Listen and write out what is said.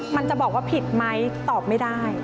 มันจะบอกว่าผิดไหมตอบไม่ได้